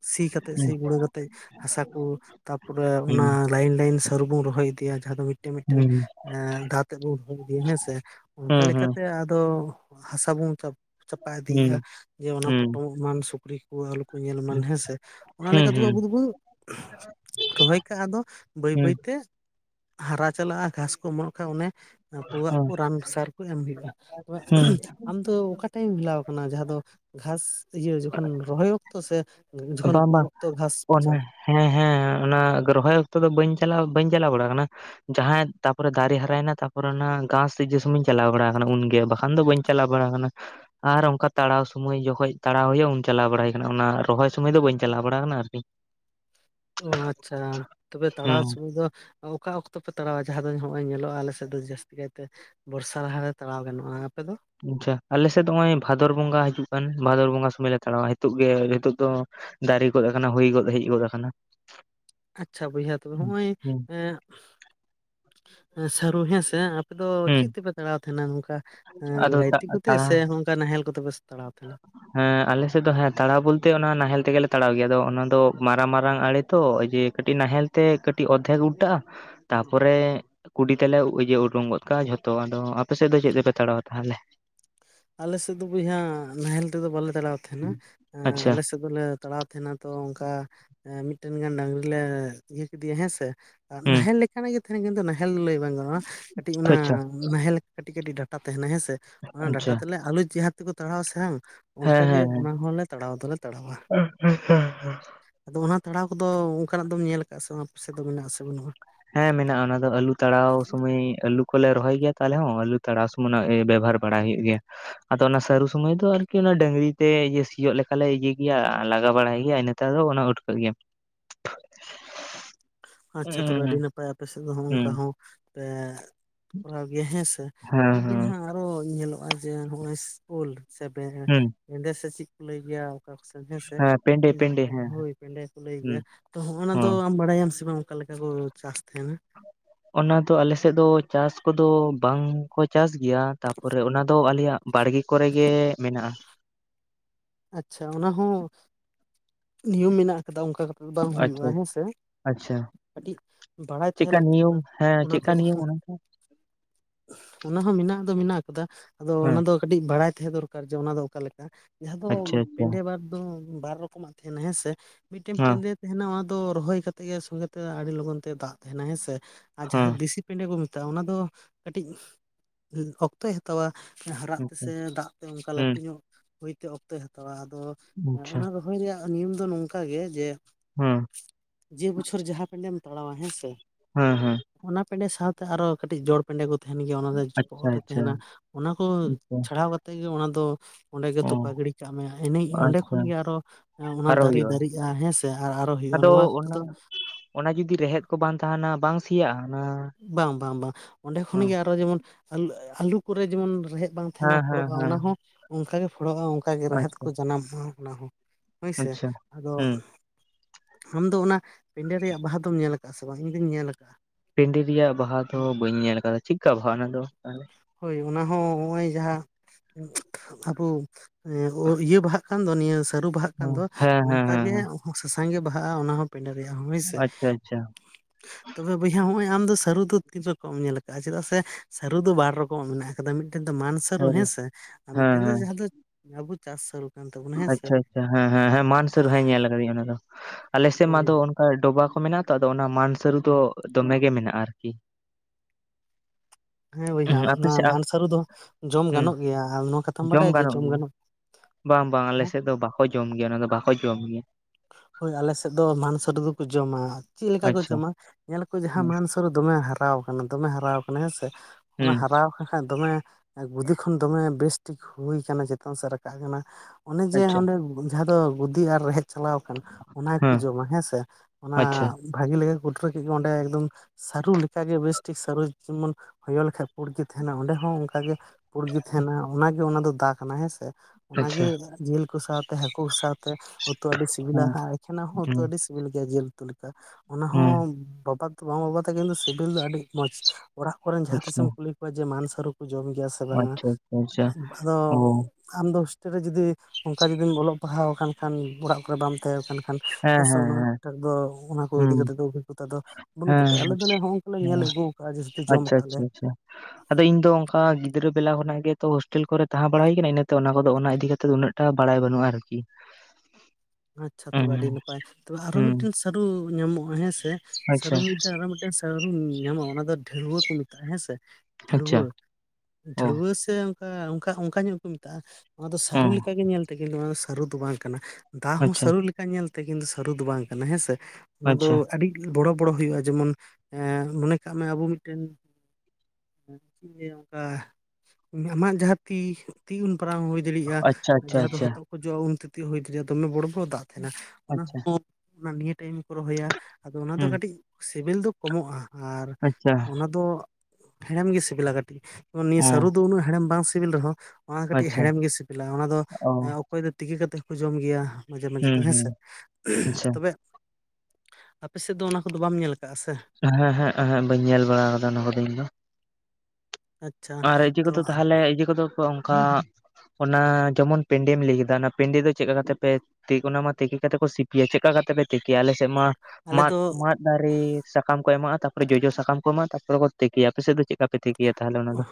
ᱥᱤ ᱠᱟᱛᱮᱜ ᱥᱤ ᱜᱩᱲᱟᱹ ᱠᱟᱛᱮ ᱛᱮ ᱦᱟᱥᱟ ᱠᱚ ᱛᱟᱯᱚᱨᱮ ᱦᱩᱸ ᱚᱱᱟ ᱞᱟᱭᱤᱱ ᱞᱟᱭᱤᱱ ᱥᱟᱹᱨᱩ ᱵᱚᱱ ᱨᱚᱦᱚᱭ ᱤᱫᱤᱭᱟ ᱡᱟᱦᱟᱸ ᱫᱚ ᱢᱤᱫᱴᱮᱱ ᱢᱤᱫᱴᱮᱱ ᱦᱩᱸ ᱫᱟ ᱛᱮᱵᱚᱱ ᱨᱚᱦᱚᱭ ᱤᱫᱭᱟ ᱦᱮᱸᱥᱮ ᱚᱱᱠᱟ ᱦᱩᱸ ᱞᱮᱠᱟ ᱛᱮ ᱟᱫᱚ ᱦᱟᱥᱟ ᱵᱚᱱ ᱪᱟᱯᱟ ᱤᱫᱤᱭᱮᱫᱼᱟ ᱦᱩᱸ ᱡᱮ ᱦᱩᱸ ᱚᱱᱟ ᱦᱩᱸ ᱯᱚᱴᱚᱢᱚᱜ ᱮᱢᱟᱱ ᱥᱩᱠᱨᱤ ᱠᱚ ᱟᱞᱚ ᱠᱚ ᱧᱮᱞ ᱢᱟᱟᱱ ᱦᱮᱸᱥᱮ ᱚᱱᱟ ᱞᱮᱠᱟᱛᱮ ᱦᱩᱸ ᱟᱵᱚ ᱫᱚᱵᱚ ᱨᱚᱦᱚᱭ ᱠᱟᱜ ᱟᱫᱚ ᱵᱟᱹᱭ ᱦᱩᱸ ᱵᱟᱹᱭᱛᱮ ᱦᱟᱨᱟ ᱪᱟᱞᱟᱜᱼᱟ ᱜᱷᱟᱸᱥ ᱠᱚ ᱚᱢᱚᱱ ᱠᱷᱟᱡ ᱚᱱᱮ ᱯᱳᱣᱟᱜ ᱦᱩᱸ ᱠᱚ ᱨᱟᱱ ᱥᱟᱨ ᱠᱚ ᱮᱢ ᱦᱩᱭᱩᱜᱼᱟ᱾ ᱦᱩᱸ ᱟᱢ ᱫᱚ ᱚᱠᱟ ᱴᱟᱭᱤᱢ ᱵᱷᱮᱞᱟᱣ ᱟᱠᱟᱱᱟ ᱡᱟᱦᱟᱸ ᱫᱚ ᱜᱷᱟᱥ ᱤᱭᱟᱹ ᱡᱚᱠᱷᱚᱱ ᱨᱚᱦᱚᱭ ᱚᱠᱛᱚ ᱥᱮ ᱡᱚᱠᱷᱚᱱ ᱵᱟᱝ ᱯᱳ ᱵᱟᱝ ᱚᱠᱛᱚ ᱜᱷᱟᱥ ᱚᱱᱟ ᱵᱟᱪᱷᱟᱣ᱾ ᱦᱮᱸ ᱦᱮᱸ ᱚᱱᱟ ᱨᱚᱦᱚᱭ ᱚᱠᱛᱚ ᱫᱚ ᱵᱟᱹᱧ ᱪᱟᱞᱟᱣ ᱵᱟᱹᱧ ᱪᱟᱞᱟᱣ ᱵᱟᱲᱟ ᱟᱠᱟᱱᱟ ᱾ ᱡᱟᱦᱟᱸᱭ ᱛᱟᱯᱚᱨᱮ ᱫᱟᱨᱮ ᱦᱟᱨᱟᱭᱮᱱᱟ ᱛᱟᱯᱚᱨᱮ ᱚᱱᱟ ᱜᱷᱟᱸᱥ ᱡᱮ [unintelligible] ᱪᱟᱞᱟᱣ ᱵᱟᱲᱟ ᱟᱠᱟᱱᱟ᱾ ᱩᱱᱜᱮ ᱵᱟᱠᱷᱟᱱ ᱫᱚ ᱵᱟᱹᱧ ᱪᱟᱞᱟᱣ ᱵᱟᱲᱟ ᱟᱠᱟᱱᱟ ᱾ ᱟᱨ ᱚᱱᱠᱟ ᱛᱟᱲᱟᱣ ᱥᱩᱢᱟᱹᱭ ᱡᱚᱠᱷᱚᱱ ᱛᱟᱲᱟᱣ ᱦᱩᱭᱩᱜᱼᱟ ᱩᱱ ᱪᱟᱞᱟᱣ ᱵᱟᱲᱟᱭ ᱟᱠᱟᱱᱟ ᱚᱱᱟ‌ ᱨᱚᱦᱚᱭ ᱥᱚᱢᱚᱭ ᱫᱚ ᱵᱟᱹᱧ ᱪᱟᱞᱟᱣ ᱵᱟᱲᱟ ᱟᱠᱟᱱᱟ ᱟᱹᱨᱠᱤ ᱾ ᱚ ᱟᱪᱪᱷᱟ, ᱛᱚᱵᱮ ᱦᱩᱸ ᱛᱟᱲᱟᱣ ᱥᱚᱢᱚᱭ ᱫᱚ ᱚᱠᱟ ᱚᱠᱛᱚ ᱯᱮ ᱛᱟᱲᱟᱣᱟ, ᱡᱟᱦᱟᱸ ᱫᱚ ᱱᱚᱜᱼᱚᱭ ᱧᱮᱞᱚᱜᱼᱟ ᱟᱞᱮ ᱥᱮᱫ ᱫᱚ ᱡᱟᱹᱥᱛᱤ ᱠᱟᱭᱛᱮ ᱵᱚᱨᱥᱟ ᱞᱟᱦᱟᱨᱮ ᱛᱟᱲᱟᱣ ᱜᱟᱱᱚᱜᱼᱟ ᱾ ᱟᱯᱮ ᱫᱚ ᱟᱪᱪᱷᱟ ᱟᱞᱮᱥᱮᱫ ᱱᱚᱜᱼᱚᱭ ᱵᱷᱟᱫᱚᱨ ᱵᱚᱸᱜᱟ ᱦᱤᱡᱩᱜ ᱠᱟᱱ ᱵᱷᱟᱫᱚᱨ ᱵᱚᱸᱜᱟ ᱥᱚᱢᱚᱭ ᱞᱮ ᱛᱟᱲᱟᱣᱟ᱾ ᱱᱤᱛᱚᱜ ᱜᱮ ᱱᱤᱛᱚᱜ ᱫᱚ ᱫᱟᱨᱮᱹ ᱜᱚᱫ ᱟᱠᱟᱱᱟ ᱦᱩᱭ ᱜᱚᱫ ᱦᱮᱡ ᱜᱚᱫ ᱟᱠᱟᱱᱟ ᱾ ᱟᱪᱪᱷᱟ ᱵᱚᱭᱦᱟ ᱛᱚᱵᱮ ᱦᱚᱸᱜᱼᱚᱭ, ᱥᱟᱹᱨᱩ ᱦᱮᱸ ᱥᱮ ᱟᱯᱮ ᱫᱚ ᱦᱩᱸ ᱪᱮᱫ ᱛᱮᱯᱮ ᱛᱟᱲᱟᱣ ᱛᱟᱦᱮᱸᱱᱟ ᱱᱚᱝᱠᱟ ᱟᱫᱚ ᱜᱟᱹᱭᱛᱤ ᱠᱚᱛᱮ ᱛᱟᱲᱟ ᱥᱮ ᱱᱚᱝᱠᱟ ᱱᱟᱦᱮᱞ ᱠᱚᱛᱮᱯᱮ ᱛᱟᱲᱟᱣ ᱛᱟᱦᱮᱸᱱᱟ᱾ ᱦᱮᱸ ᱟᱞᱮᱥᱮᱫ ᱫᱚ ᱦᱮᱸ ᱛᱟᱲᱟᱣ ᱵᱚᱞᱛᱮ ᱚᱱᱟ ᱱᱟᱦᱮᱞ ᱛᱮᱜᱮᱞᱮ ᱛᱟᱲᱟᱣ ᱜᱮᱭᱟ ᱟᱫᱚ ᱚᱱᱟ ᱫᱚ ᱢᱟᱨᱟᱝ ᱢᱟᱨᱟᱝ ᱟᱲᱮ ᱛᱚ᱾ ᱠᱟᱹᱴᱤᱡ ᱱᱟᱦᱮᱞ ᱛᱮ ᱠᱟᱹᱴᱤᱡ ᱚᱨᱫᱷᱮᱠ ᱩᱞᱴᱟᱹᱜᱼᱟ ᱛᱟᱯᱚᱨᱮ ᱠᱩᱰᱤ ᱛᱮᱞᱮ ᱤᱭᱟᱹ ᱩᱰᱩᱝ ᱜᱚᱫ ᱠᱟᱜᱼᱟ ᱡᱷᱚᱛᱚ, ᱟᱫᱚ ᱟᱯᱮ ᱥᱮᱫ ᱫᱚ ᱪᱮᱫ ᱛᱮᱯᱮ ᱛᱟᱲᱟᱣᱟ ᱛᱟᱦᱚᱞᱮ ᱟᱞᱮ ᱥᱮᱫ ᱫᱚ ᱵᱚᱭᱦᱟ ᱱᱟᱦᱮᱞ ᱛᱮᱫᱚ ᱵᱟᱞᱮ ᱛᱟᱲᱟᱣ ᱛᱟᱦᱮᱱᱟ ᱾ ᱟᱪᱪᱷᱟ ᱟᱞᱮ ᱥᱮᱫ ᱫᱚᱞᱮ ᱛᱟᱲᱟᱣ ᱛᱟᱦᱮᱸᱱᱟ ᱛᱚ ᱚᱱᱠᱟ ᱢᱤᱫᱴᱮᱱ ᱜᱟᱱ ᱰᱟᱝᱨᱤ ᱞᱮ ᱤᱭᱟᱹ ᱠᱮᱫᱮᱭᱟ ᱦᱮᱸᱥᱮ, ᱦᱩᱸ ᱱᱟᱦᱮᱞ ᱞᱮᱠᱟᱱᱟᱜ ᱜᱮ ᱛᱟᱦᱮᱱᱟ ᱠᱤᱱᱛᱩ ᱱᱟᱦᱮᱞ ᱫᱚ ᱞᱟᱹᱭ ᱵᱟᱝ ᱜᱟᱱᱚᱜᱼᱟ, ᱠᱟᱹᱴᱤᱡ ᱚᱱᱟ ᱟᱪᱪᱷᱟ ᱱᱟᱦᱮᱞ ᱞᱮᱠᱟ ᱠᱟᱹᱴᱤᱡ ᱠᱟᱹᱴᱤᱡ ᱰᱟᱴᱟ ᱛᱟᱦᱮᱱᱟ ᱦᱮᱸᱥᱮ ᱚᱱᱟ ᱰᱟᱴᱟ ᱟᱪᱪᱷᱟ ᱛᱮᱞᱮ ᱟᱞᱩ ᱡᱮᱞᱮᱠᱟ ᱛᱮᱠᱚ ᱛᱟᱲᱟᱲ ᱟ ᱥᱮ ᱵᱟᱝ, ᱚᱱᱠᱟ ᱦᱮᱸ ᱜᱮ ᱦᱮᱸ ᱚᱱᱟ ᱦᱚᱸᱞᱮ ᱛᱟᱲᱟᱣ ᱫᱚᱞᱮ ᱛᱟᱲᱟᱣᱟ᱾ [unintelligible] ᱟᱫᱚ ᱚᱱᱟ ᱛᱟᱲᱟᱣ ᱠᱚᱫᱚ ᱚᱱᱠᱟᱱᱟᱜ ᱫᱚᱢ ᱧᱮᱞ ᱟᱠᱟᱫᱼᱟ ᱥᱮ ᱚᱱᱟ ᱟᱯᱮᱥᱮᱫ ᱫᱚ ᱢᱮᱱᱟᱜ ᱟᱥᱮ ᱵᱟᱹᱱᱩᱜᱼᱟ᱾ ᱦᱮᱸ ᱢᱮᱱᱟᱜᱼᱟ ᱚᱱᱟ ᱫᱚ ᱟᱞᱩ ᱛᱟᱲᱟᱣ ᱥᱩᱢᱟᱹᱭ ᱟᱞᱩ ᱠᱚᱞᱮ ᱨᱚᱦᱚᱭ ᱜᱮᱭᱟ ᱛᱚ ᱟᱞᱮ ᱦᱚᱸ ᱟᱞᱩ ᱛᱟᱲᱟᱣ ᱥᱚᱢᱚᱭ ᱵᱮᱵᱚᱦᱟᱨ ᱵᱟᱲᱟᱭ ᱦᱩᱭᱩᱜ ᱜᱮᱭᱟ᱾ ᱟᱫᱚ ᱚᱱᱟ ᱥᱟᱹᱨᱩ ᱥᱚᱢᱚᱭ ᱫᱚ ᱟᱹᱨᱠᱤ ᱚᱱᱟ ᱰᱟᱝᱨᱤ ᱛᱮ ᱥᱤᱭᱳᱚᱜ ᱞᱮᱠᱟᱞᱮ ᱤᱭᱟᱹ ᱜᱮᱭᱟ ᱞᱟᱜᱟᱣ ᱵᱟᱲᱟᱭ ᱜᱮᱭᱟ ᱤᱱᱟ ᱛᱮᱦᱚᱸ ᱚᱱᱟ ᱩᱴᱠᱟᱹᱜ ᱜᱮᱭᱟ᱾ ᱟᱪᱪᱷᱟ ᱛᱚᱵᱮ ᱟᱹᱰᱤ ᱦᱩᱸ ᱱᱟᱯᱟᱭ ᱟᱯᱮ ᱥᱮᱫ ᱫᱚ ᱱᱚᱜᱼᱚᱭ ᱱᱚᱝᱠᱟ ᱦᱩᱸ ᱦᱚᱸ ᱯᱮ ᱠᱚᱨᱟᱣ ᱜᱮᱭᱟ ᱦᱮᱸᱥᱮ, ᱦᱮᱸ ᱛᱚᱵᱮ ᱦᱮᱸ ᱠᱷᱟᱱ ᱟᱨᱦᱚᱸ ᱧᱮᱞᱚᱜᱼᱟ ᱡᱮ ᱱᱚᱜᱼᱚᱭ [unintelligible] ᱾ ᱥᱮ ᱦᱩᱸ ᱯᱮᱸᱰᱮ ᱥᱮ ᱪᱮᱫ ᱠᱚ ᱞᱟᱹᱭ ᱜᱮᱭᱟ ᱦᱮᱸᱥᱮ ᱦᱮᱸ ᱯᱮᱸᱰᱮ ᱦᱮᱸ ᱯᱮᱸᱰᱮ ᱠᱚ ᱞᱟᱹᱭ ᱜᱮᱭᱟ ᱦᱩᱸ ᱛᱚᱜ ᱚᱱᱟ ᱫᱚ ᱦᱮᱸ ᱟᱢ ᱵᱟᱲᱟᱭᱟᱢ ᱚᱱᱠᱟ ᱞᱮᱠᱟ ᱠᱚ ᱪᱟᱥ ᱛᱟᱦᱮᱱᱟ᱾ ᱚᱱᱟ ᱫᱚ ᱟᱞᱮᱥᱮᱫ ᱫᱚ ᱪᱟᱥ ᱠᱚᱫᱚ ᱵᱟᱝᱠᱚ ᱪᱟᱥ ᱜᱮᱭᱟ ᱛᱟᱯᱚᱨᱮ ᱚᱱᱟ ᱫᱚ ᱟᱞᱮᱭᱟᱜ ᱵᱟᱲᱜᱮᱹ ᱠᱚᱨᱮᱜ ᱜᱮ ᱢᱮᱱᱟᱜᱼᱟ ᱾ [unintelligible] ᱟᱪᱪᱷᱟ ᱚᱱᱟ ᱦᱚᱸ ᱱᱤᱭᱚᱢ ᱢᱮᱱᱟᱜ ᱟᱠᱟᱫᱟ ᱚᱱᱠᱟ ᱠᱟᱛᱮ ᱫᱚ ᱵᱟᱝ ᱦᱩᱭᱩᱜᱼᱟ ᱟᱪᱪᱷᱟ ᱦᱮᱸᱥᱮ? ᱟᱪᱪᱷᱟ ᱠᱟᱹᱴᱤᱡ ᱵᱟᱲᱟᱭ ᱛᱟᱦᱮᱸ ᱪᱮᱫᱠᱟ ᱞᱟᱹᱠᱛᱤ ᱱᱤᱭᱚᱢ ᱠᱟᱱᱟ ᱦᱮᱸ ᱚᱱᱟ ᱫᱚ ᱪᱮᱫᱠᱟ ᱾ ᱱᱤᱭᱚᱢ ᱚᱱᱟ ᱫᱚ ᱚᱱᱟ ᱦᱚᱸ ᱢᱮᱱᱟᱜ ᱫᱚ ᱢᱮᱱᱟᱜ ᱟᱠᱟᱫᱟ ᱟᱫᱚ ᱦᱮᱸ ᱚᱱᱟ ᱫᱚ ᱠᱟᱹᱴᱤᱡ ᱵᱟᱲᱟᱭ ᱛᱟᱦᱮᱸ ᱫᱚᱨᱠᱟᱨ ᱡᱮ ᱚᱱᱟ ᱫᱚ ᱚᱠᱟ ᱞᱮᱠᱟ ᱡᱟᱦᱟᱸ ᱫᱚ ᱟᱪᱪᱷᱟ ᱯᱮᱸᱰᱮ ᱟᱪᱪᱷᱟ ᱵᱟᱛ ᱫᱚ ᱵᱟᱨ ᱨᱚᱠᱚᱢᱟᱜ ᱛᱟᱦᱮᱱᱟ ᱦᱮᱸᱥᱮ, ᱢᱤᱫᱴᱮᱱ ᱯᱮᱸᱰᱮ ᱫᱚ ᱛᱟᱦᱮᱱᱟ ᱚᱱᱟ ᱫᱚ ᱨᱚᱦᱚᱭ ᱠᱟᱛᱮᱜ ᱜᱮ ᱥᱚᱸᱜᱮᱛᱮ ᱟᱹᱰᱤ ᱞᱚᱜᱚᱱ ᱛᱮ ᱫᱟᱜ ᱛᱟᱦᱮᱱᱟ ᱦᱮᱸᱥᱮ ᱾ᱟᱨ ᱦᱮᱸ ᱡᱟᱦᱟᱸ ᱫᱤᱥᱤ ᱯᱮᱸᱰᱮ ᱠᱚ ᱢᱮᱛᱟᱜᱼᱟ ᱚᱱᱟ ᱫᱚ ᱠᱟᱹᱴᱤᱡ ᱚᱠᱛᱚ ᱚᱠᱛᱚᱭ ᱦᱟᱛᱟᱣᱟ ᱦᱟᱨᱟᱜ ᱦᱮᱸ ᱛᱮᱥᱮ ᱫᱟᱜ ᱛᱮ ᱚᱱᱠᱟ ᱦᱩᱸ ᱞᱟᱹᱴᱩ ᱧᱚᱜ ᱾ ᱛᱮ ᱚᱠᱛᱚᱭ ᱦᱟᱛᱟᱣᱟ ᱟᱫᱚ ᱮᱸ ᱟᱪᱪᱷᱟ ᱚᱱᱟ ᱨᱚᱦᱚᱭ ᱨᱮᱭᱟᱜ ᱱᱤᱭᱚᱢ ᱫᱚ ᱱᱚᱝᱠᱟ ᱜᱮ ᱡᱮ ᱦᱩᱸ᱾ ᱡᱮ ᱵᱚᱪᱷᱚᱨ ᱡᱟᱦᱟᱸ ᱯᱮᱸᱰᱮᱢ ᱛᱟᱲᱟᱣᱟ, ᱦᱮᱸ ᱥᱮ? ᱦᱮᱸ ᱦᱮᱸ᱾ ᱚᱱᱟ ᱯᱮᱸᱰᱮ ᱥᱟᱶᱛᱮ ᱟᱨᱚ ᱠᱟᱹᱴᱤᱡ ᱡᱚᱲ ᱯᱮᱸᱰᱮ ᱠᱚ ᱛᱟᱦᱮᱱ ᱜᱮᱭᱟ ᱚᱱᱟᱨᱮ ᱡᱚᱯᱚᱜ ᱟᱪᱪᱷᱟ ᱨᱮ ᱟᱪᱪᱷᱟ ᱛᱟᱦᱮᱱᱟ ᱚᱱᱟ ᱠᱚ ᱟᱪᱪᱷᱟ ᱪᱷᱟᱲᱟᱣ ᱠᱟᱛᱮᱫ ᱜᱮ ᱚᱱᱟ ᱫᱚ ᱚᱸᱰᱮᱜᱮ ᱚ ᱛᱚᱯᱟ ᱜᱤᱲᱤ ᱠᱟᱜ ᱢᱮ, ᱮᱱᱮ ᱚᱸᱰᱮ ᱟᱪᱪᱷᱟ ᱠᱷᱚᱱᱜᱮ ᱟᱨᱚ ᱚᱱᱟ ᱟᱨᱚ ᱫᱟᱨᱮ ᱦᱩᱭᱩᱜᱼᱟ ᱫᱟᱨᱮᱜᱼᱟ ᱦᱮᱸ ᱥᱮ ᱟᱨ ᱟᱨᱚ ᱦᱩᱭᱩᱜᱼᱟ ᱟᱫᱚ ᱱᱚᱣᱟ ᱠᱟᱛᱮ ᱚᱱᱟ ᱫᱚ ᱚᱱᱟ ᱡᱩᱫᱤ ᱨᱮᱦᱮᱫ ᱠᱚ ᱵᱟᱝ ᱛᱟᱦᱮᱱᱟ ᱵᱟᱝ ᱥᱮᱭᱟᱜᱼᱟ ᱚᱱᱟ? ᱵᱟᱝ ᱵᱟᱝ ᱵᱟᱝ ᱚᱸᱰᱮ ᱚ, ᱠᱷᱚᱱᱜᱮ ᱟᱨᱚ ᱡᱮᱢᱚᱱ ᱟᱞᱩ ᱟᱞᱩ ᱠᱚᱨᱮ ᱡᱮᱢᱚᱱ ᱨᱮᱦᱮᱫ ᱵᱟᱝ ᱛᱟᱦᱮᱱᱟ ᱦᱮᱸ ᱦᱮᱸ ᱯᱷᱚᱲᱚᱜᱼᱟ ᱦᱮᱸ ᱚᱱᱟ ᱦᱚᱸ ᱚᱱᱠᱟᱜᱮ ᱯᱷᱚᱲᱚᱜᱼᱟ ᱚᱱᱠᱟᱜᱮ ᱨᱮᱦᱮᱫ ᱠᱚ ᱟᱪᱪᱷᱟ ᱡᱟᱱᱟᱢᱚᱜᱼᱟ ᱚᱱᱟ ᱦᱚᱸ, ᱦᱳᱭ ᱥᱮ, ᱟᱪᱪᱷᱟ ᱟᱫᱚ ᱦᱩᱸ ᱟᱢ ᱫᱚ ᱚᱱᱟ ᱯᱮᱸᱰᱮ ᱨᱮᱭᱟᱜ ᱵᱟᱦᱟ ᱫᱚᱢ ᱧᱮᱞ ᱟᱠᱟᱜᱼᱟ ᱥᱮ ᱵᱟᱝ? ᱤᱧ ᱫᱩᱧ ᱧᱮᱞ ᱟᱠᱟᱜᱼᱟ᱾ ᱯᱮᱸᱰᱮ ᱨᱮᱭᱟᱜ ᱵᱟᱦᱟ ᱫᱚ ᱵᱟᱹᱧ ᱧᱮᱞ ᱟᱠᱟᱫᱟ᱾ ᱪᱮᱫᱠᱟ ᱵᱟᱦᱟᱜᱼᱟ ᱚᱱᱟ ᱫᱚ ᱛᱟᱦᱚᱞᱮ? ᱦᱳᱭ ᱚᱱᱟ ᱦᱚᱸ ᱦᱚᱸᱜᱼᱚᱭ ᱡᱟᱦᱟᱸ ᱩᱸ ᱟᱵᱚ ᱮᱸ ᱚ ᱤᱭᱟᱹ ᱵᱟᱦᱟᱜ ᱠᱟᱱ ᱫᱚ ᱱᱤᱭᱟᱹ ᱥᱟᱹᱨᱩ ᱵᱟᱦᱟᱜ ᱠᱟᱱ ᱦᱮᱸ ᱫᱚ, ᱦᱮᱸ ᱦᱮᱸ ᱚᱱᱠᱟ ᱜᱮ ᱦᱮᱸ, ᱥᱟᱥᱟᱝ ᱜᱮ ᱵᱟᱦᱟᱜᱼᱟ ᱚᱱᱟ ᱦᱚᱸ ᱯᱮᱸᱱᱰ ᱨᱮᱭᱟᱜ ᱦᱚᱸ, ᱦᱳᱭ ᱥᱮ᱾ ᱟᱪᱪᱷᱟ ᱟᱪᱪᱷᱟ ᱛᱚᱵᱮ ᱵᱚᱭᱦᱟ ᱦᱚᱸᱜᱼᱚᱭ ᱟᱢᱫᱚ ᱥᱟᱹᱨᱩ ᱫᱚ ᱛᱤᱱ ᱨᱚᱠᱚᱢᱟᱜ ᱮᱢ ᱧᱮᱞ ᱠᱟᱜᱼᱟ? ᱪᱮᱫᱟᱜ ᱥᱮ ᱥᱟᱹᱨᱩ ᱫᱚ ᱵᱟᱨ ᱨᱚᱠᱚᱢᱟᱜ ᱢᱮᱱᱟᱜ ᱟᱠᱟᱫᱟ᱾ ᱢᱤᱫ ᱴᱮᱱ ᱫᱚ ᱢᱟᱱ ᱥᱟᱹᱨᱩ, ᱥᱟᱹᱨᱤ ᱦᱮᱸ ᱥᱮ, ᱟᱨ ᱦᱮᱸ ᱢᱤᱫᱴᱮᱱ ᱫᱚ ᱦᱮᱸ ᱡᱟᱦᱟᱸ ᱫᱚ ᱟᱵᱚ ᱪᱟᱥ ᱥᱟᱹᱨᱩ᱾ ᱠᱟᱱ ᱛᱟᱵᱚᱱᱟ ᱦᱮᱸ ᱥᱮ ᱟᱪᱪᱷᱟ ᱟᱪᱪᱷᱟ ᱦᱮᱸ ᱦᱮᱸ ᱦᱮᱸ ᱢᱟᱱ ᱥᱟᱹᱨᱩ ᱦᱮᱸ ᱧᱮᱞ ᱠᱟᱫᱟᱹᱧ ᱚᱱᱟ ᱫᱚ ᱟᱞᱮ ᱥᱮᱫ ᱢᱟ ᱦᱳᱭ ᱫᱚ ᱚᱱ ᱮ ᱰᱚᱵᱟ ᱠᱚ ᱢᱮᱱᱟᱜ-ᱟ ᱛᱚ ᱟᱫᱚ ᱚᱱᱟ ᱢᱟᱱ ᱥᱟᱹᱨᱩ ᱫᱚ ᱫᱚᱢᱮ ᱜᱮ ᱢᱮᱱᱟᱜᱼᱟ ᱟᱨᱠᱤ᱾ [inaudible] ᱦᱮᱸ ᱵᱚᱭᱦᱟ ᱩᱸᱦᱩᱸ, ᱟᱯᱮ ᱚᱱᱟ ᱥᱮᱫ ᱟ ᱢᱟᱱ ᱥᱟᱹᱨᱩ ᱫᱚ ᱡᱚᱢ ᱦᱩᱸ ᱜᱟᱱᱚᱜ ᱜᱮᱭᱟ᱾ ᱱᱚᱣᱟ ᱠᱟᱛᱷᱟᱢ ᱵᱟᱰᱟᱭᱟ ᱡᱮ ᱜᱟᱱᱚᱜ ᱡᱚᱢ ᱜᱮᱭᱟ ᱜᱟᱱᱚᱜᱼᱟ? ᱵᱟᱝ ᱵᱟᱝ ᱟᱞᱮ ᱥᱮᱫ ᱫᱚ ᱵᱟᱠᱚ ᱡᱚᱢ ᱜᱮᱭᱟ ᱚᱱᱟ ᱫᱚ ᱵᱟᱠᱚ ᱡᱚᱢ ᱜᱮᱭᱟ᱾ ᱦᱳᱭ ᱟᱞᱮ ᱥᱮᱫ ᱫᱚ ᱢᱟᱱ ᱥᱟᱹᱨᱩ ᱫᱚ ᱠᱚ ᱡᱚᱢᱟ, ᱪᱮᱫ ᱞᱮᱠᱟ ᱠᱚ ᱟᱪᱪᱷᱟ ᱡᱚᱢᱟ? ᱧᱮᱞ ᱟᱠᱚ ᱡᱟᱦᱟᱸ ᱦᱩᱸ ᱟᱪᱪᱷᱟ ᱢᱟᱱ ᱥᱟ ᱨᱩ ᱫᱚᱢᱮ ᱦᱟᱨᱟᱣ ᱟᱠᱟᱱᱟ ᱫᱚᱢᱮ ᱦᱟᱨᱟᱣ ᱟᱠᱟᱱᱟ ᱦᱮᱸᱥᱮ, ᱚᱱᱟ ᱦᱟᱨᱟᱣ ᱟᱠᱟᱱ ᱠᱷᱟᱡ ᱫᱚᱢᱮ ᱜᱩᱫᱤ ᱠᱷᱚᱱ ᱫᱚᱢᱮ ᱵᱮᱥ ᱴᱷᱤᱠ ᱦᱩᱭ ᱟᱠᱟᱱᱟ ᱪᱮᱛᱟᱱ ᱥᱮᱫ ᱨᱟᱠᱟᱵ ᱟᱠᱟᱱᱟ ᱚᱱᱮ ᱡᱮ ᱚᱸᱰᱮ ᱡᱟᱦᱟᱸ ᱫᱚ ᱜᱩᱫᱤ ᱟᱨ ᱨᱮᱦᱮᱫ ᱪᱟᱞᱟᱣ ᱟᱠᱟᱱ ᱚᱱᱟ ᱜᱮᱠᱚ ᱡᱚᱢᱟ ᱦᱮᱸ ᱥᱮ, ᱚᱱᱟ ᱟᱪᱪᱷᱟ ᱵᱷᱟᱜᱮ ᱞᱮᱠᱟ ᱠᱚ ᱠᱩᱴᱨᱟᱹ ᱠᱮᱫ ᱜᱮ ᱚᱸᱰᱮ ᱮᱠᱫᱚᱢ ᱥᱟᱹᱨᱩ ᱞᱮᱠᱟᱜᱮ ᱵᱮᱥ ᱴᱷᱤᱠ ᱥᱟᱹᱨᱩ ᱡᱮᱢᱚᱱ ᱦᱚᱭᱚ ᱞᱮᱠᱷᱟᱡ ᱯᱩᱰ ᱜᱮ ᱛᱟᱦᱮᱱᱟ ᱚᱸᱰᱮ ᱦᱚᱸ ᱚᱱᱠᱟᱜᱮ ᱯᱩᱲ ᱜᱮ ᱛᱟᱦᱮᱱᱟ ᱚᱱᱟ ᱜᱮ ᱚᱱᱟ ᱫᱚ ᱫᱟ ᱠᱟᱱᱟ, ᱦᱮᱸᱥᱮ, ᱚᱱᱟᱜᱮ ᱟᱪᱪᱷᱟ ᱡᱮᱞ ᱠᱚ ᱥᱟᱶᱛᱮ ᱦᱟᱹᱠᱩ ᱠᱚ ᱥᱟᱶ ᱛᱮ ᱩᱛᱩ ᱟᱹᱰᱤ ᱦᱮᱸ ᱥᱤᱵᱤᱞᱟ ᱦᱟᱸᱜ, ᱮᱠᱷᱮᱱᱟᱜ ᱦᱚᱸ ᱩᱛᱩ ᱦᱩᱸ ᱟᱹᱰᱤ ᱥᱤᱵᱤᱞ ᱜᱮᱭᱟ ᱡᱮᱞ ᱩᱛᱩ ᱞᱮᱠᱟ᱾ ᱚᱱᱟ ᱦᱮᱸ ᱦᱚᱸ ᱵᱟᱵᱟᱛᱽ ᱛᱚ ᱵᱟᱝ ᱵᱟᱵᱟᱛᱟ ᱠᱤᱱᱛᱩ ᱥᱤᱵᱤᱞ ᱫᱚ ᱟᱹᱰᱤ ᱢᱚᱸᱡᱽ, ᱚᱲᱟᱜ ᱠᱚᱨᱮᱱ ᱡᱟᱦᱟᱸ ᱟᱪᱪᱷᱟ ᱛᱤᱥᱮᱢ ᱠᱩᱞᱤ ᱠᱚᱣᱟ ᱡᱮ ᱢᱟᱱ ᱥᱟᱹᱨᱩ ᱠᱚ ᱡᱚᱢ ᱜᱮᱭᱟ ᱥᱮ ᱵᱟᱝᱟ, ᱟᱪᱪᱷᱟ ᱟᱪᱪᱷᱟ ᱟᱪᱪᱷᱟ ᱟᱫᱚ ᱚ ᱟᱢ ᱫᱚ ᱦᱳᱥᱴᱮᱞ ᱨᱮ ᱡᱩᱫᱤ ᱚᱝᱠᱟ ᱡᱩᱫᱤᱢ ᱚᱞᱚᱜ ᱯᱟᱲᱦᱟᱣ ᱟᱠᱟᱱ ᱠᱷᱟᱱ ᱚᱲᱟᱜ ᱠᱚᱨᱮ ᱵᱟᱢ ᱛᱟᱦᱮᱸᱣ ᱟᱠᱟᱱ ᱠᱷᱟᱱ ᱦᱮᱸ ᱥᱮ ᱚᱱᱟᱴᱟᱜ ᱫᱚ ᱚᱱᱟ ᱠᱚ ᱤᱫᱤ ᱦᱩᱸ ᱠᱟᱛᱮᱜ ᱫᱚ ᱚᱵᱷᱤᱜᱚᱛᱟ ᱫᱚ ᱵᱟᱹᱱᱩᱜ ᱦᱮᱸ ᱛᱟᱯᱮᱭᱟ, ᱟᱞᱮ ᱫᱚᱞᱮ ᱦᱚᱸᱜ-ᱚᱝᱠᱟ ᱞᱮ ᱧᱮᱞ ᱟᱹᱜᱩ ᱠᱟᱜᱼᱟ ᱡᱮᱦᱮᱛᱩ ᱡᱚᱢ ᱟᱪᱪᱷᱟ ᱠᱟᱜ-ᱟ ᱞᱮ᱾ ᱟᱪᱪᱷᱟ ᱟᱪᱪᱷᱟ ᱟᱫᱚ ᱤᱧ ᱫᱚ ᱚᱝᱠᱟ ᱜᱤᱫᱽᱨᱟᱹ ᱵᱮᱞᱟ ᱠᱷᱚᱱᱟᱜ ᱜᱮ ᱛᱚ ᱦᱳᱥᱴᱮᱞ ᱠᱚᱨᱮ ᱛᱟᱦᱮᱸ ᱵᱟᱲᱟ ᱦᱩᱭ ᱠᱟᱱᱟ, ᱤᱱᱟᱹ ᱛᱮ ᱚᱱᱟ ᱠᱚᱫᱚ ᱚᱱᱟ ᱤᱫᱤ ᱠᱟᱛᱮ ᱫᱚ ᱩᱱᱟᱹᱜ ᱴᱟ ᱵᱟᱲᱟᱭ ᱵᱟᱹᱱᱩᱜᱼᱟ ᱟᱨᱠᱤ᱾ ᱟᱪᱪᱷᱟ ᱛᱚᱵᱮ ᱟᱹᱰᱤ ᱦᱩᱸ ᱱᱟᱯᱟᱭ, ᱛᱚᱵᱮ ᱟᱨᱚ ᱦᱩᱸ ᱢᱮᱜᱴᱮᱱ ᱥᱟᱹᱨᱩ ᱧᱟᱢᱚᱜᱼᱟ ᱦᱮᱸ ᱥᱮ, ᱥᱟᱹᱨᱩ ᱟᱪᱪᱷᱟ ᱢᱤᱫ ᱡᱟᱭᱜᱟ ᱨᱮ ᱢᱤᱫ ᱴᱮᱱ ᱥᱟᱹᱨᱩ ᱧᱟᱢᱚᱜᱼᱟ ᱚᱱᱟ ᱫᱚ ᱰᱷᱟᱹᱨᱣᱟ ᱠᱚ ᱢᱮᱛᱟᱜᱼᱟ ᱦᱮᱸ ᱥᱮ, ᱟᱪᱪᱷᱟ ᱴᱷᱟᱹᱲᱣᱟᱹ ᱚ ᱴᱷᱟᱹᱲᱣᱟᱹ ᱥᱮ ᱛᱮ ᱚᱝᱠᱟ ᱚᱝᱠᱟ ᱚᱝᱠᱟ ᱧᱚᱜ ᱠᱚ ᱢᱮᱛᱟᱜᱼᱟ ᱚᱱᱟ ᱫᱚ ᱚ ᱥᱟᱹᱨᱩ ᱞᱮᱠᱟᱜᱮ ᱧᱮᱞᱛᱮ ᱠᱤᱱᱛᱩ ᱚᱱᱟ ᱫᱚ ᱥᱟᱹᱨᱩ ᱫᱚ ᱵᱟᱝ ᱠᱟᱱᱟ᱾ ᱫᱟ ᱦᱚᱸ ᱟᱪᱪᱷᱟ ᱥᱟᱹᱨᱩ ᱞᱮᱠᱟ ᱧᱮᱞᱛᱮ ᱠᱤᱱᱛᱩ ᱥᱟᱹᱨᱩ ᱫᱚ ᱵᱟᱝ ᱠᱟᱱᱟ ᱦᱮᱸ ᱥᱮ, ᱚᱱᱟ ᱫᱚ ᱟᱪᱪᱷᱟ ᱟᱹᱰᱤ ᱵᱚᱲᱚ ᱵᱚᱲᱚ ᱦᱩᱭᱩᱜᱼᱟ ᱡᱮᱢᱚᱱ ᱮᱸ ᱢᱚᱱᱮ ᱠᱟᱜ ᱢᱮ ᱟᱵᱚ ᱢᱤᱫᱴᱮᱱ ᱡᱮ ᱚᱝᱠᱟ ᱟᱢᱟᱜ ᱡᱟᱦᱟᱸ ᱛᱤ ᱛᱤ ᱩᱱ ᱯᱟᱨᱟᱝ ᱦᱩᱭ ᱫᱟᱲᱤᱭᱜᱼᱟ ᱟᱪᱪᱷᱟ ᱟᱪᱪᱷᱟ ᱡᱟᱦᱟᱸ ᱫᱚ ᱟᱪᱪᱷᱟ ᱦᱟᱛᱚ ᱠᱚ ᱡᱚᱜᱼᱟ ᱩᱱᱛᱤᱛᱤᱡ ᱦᱩᱭ ᱫᱟᱲᱮᱭᱟᱜᱼᱟ ᱫᱚᱢᱮ ᱵᱚᱲᱚ ᱵᱚᱲᱚ ᱫᱟᱜ ᱛᱟᱦᱮᱱᱟ ᱚᱱᱟ ᱟᱪᱪᱷᱟ ᱦᱚᱸ ᱱᱤᱭᱟᱹ ᱴᱟᱭᱤᱢ ᱜᱮ ᱠᱚ ᱨᱚᱦᱚᱭᱟ᱾ ᱟᱫᱚ ᱚᱱᱟ ᱫᱚ ᱦᱩᱸ ᱠᱟᱹᱴᱤᱡ ᱥᱮᱵᱮᱞ ᱫᱚ ᱠᱚᱢᱚᱜᱼᱟ ᱟᱨ ᱟᱪᱪᱷᱟ ᱚᱱᱟ ᱫᱚ᱾ ᱦᱮᱲᱮᱢ ᱜᱮ ᱥᱮᱵᱮᱞᱟ ᱠᱟᱹᱴᱤᱡ ᱱᱤᱭᱟᱹ ᱥᱟᱹᱨᱩ ᱚ ᱫᱚ ᱩᱱᱟᱹᱜ ᱦᱮᱲᱮᱢ ᱵᱟᱝ ᱥᱮᱵᱮᱞ ᱨᱮᱦᱚᱸ᱾ ᱚᱱᱟ ᱠᱟᱹᱴᱤᱜ ᱟᱪᱪᱷᱟ ᱦᱮᱲᱮᱢ ᱜᱮ ᱥᱮᱵᱮᱞᱟ ᱚᱱᱟ ᱫᱚ ᱚ ᱚᱠᱚᱭ ᱫᱚ ᱛᱮᱠᱮ ᱠᱟᱛᱮᱜ ᱦᱚᱸᱠᱚ ᱡᱚᱢ ᱜᱮᱭᱟ᱾ ᱢᱟᱡᱮ ᱢᱟᱡᱮ ᱫᱚ ᱦᱩᱸ ᱦᱮᱸᱥᱮ ᱦᱩᱸ ᱟᱪᱪᱷᱟ ᱛᱚᱵᱮ ᱟᱯᱮᱥᱮᱫ ᱫᱚ ᱚᱱᱟ ᱠᱚᱫᱚ ᱵᱟᱢ ᱧᱮᱞ ᱟᱠᱟᱜᱼᱟ ᱥᱮ? ᱦᱮᱸ ᱦᱮᱸ ᱮᱦᱮᱸᱜ ᱵᱟᱹᱧ ᱧᱮᱞ ᱵᱟᱲᱟᱣ ᱠᱟᱫᱟ ᱚᱱᱟ ᱠᱚᱫᱚ ᱤᱧ ᱫᱚ᱾ ᱟᱪᱪᱷᱟ ᱟᱨ ᱤᱡᱮ ᱛᱚ ᱠᱚᱫᱚ ᱛᱟᱦᱚᱞᱮ ᱤᱭᱟᱹ ᱠᱚᱫᱚ ᱠᱚ ᱚᱝᱠᱟ ᱚᱱᱟ ᱡᱮᱢᱚᱱ ᱯᱤᱰᱤᱢ ᱞᱟᱹᱭ ᱠᱮᱫᱟ ᱚᱱᱟ ᱯᱤᱰᱤ ᱫᱚ ᱪᱮᱫ ᱠᱟᱛᱮᱯᱮ ᱛᱤᱠ ᱚᱱᱟ ᱢᱟ ᱛᱮᱠᱮ ᱠᱟᱛᱮᱜ ᱠᱚ ᱥᱤᱯᱤᱭᱟ ᱪᱮᱜᱠᱟ ᱠᱟᱛᱮ ᱯᱮ ᱛᱮᱠᱮᱭᱟ ᱟᱞᱮᱥᱮᱜ ᱢᱟ ᱟᱞᱮ ᱢᱟᱫ ᱫᱚ ᱢᱟᱫ ᱫᱟᱨᱮ ᱥᱟᱠᱟᱢ ᱠᱚ ᱮᱢᱟᱜᱼᱟ ᱛᱟᱯᱚᱨᱮ ᱡᱚᱡᱚ ᱥᱟᱠᱟᱢ ᱠᱚ ᱮᱢᱟᱜᱼᱟ ᱛᱟᱯᱚᱨᱮ ᱠᱚ ᱛᱮᱠᱮᱭᱟ, ᱟᱯᱮᱥᱮᱜ ᱫᱚ ᱪᱮᱜᱠᱟ ᱯᱮ ᱛᱮᱠᱮᱭᱟ ᱛᱟᱦᱚᱞᱮ ᱚᱱᱟ ᱫᱚ?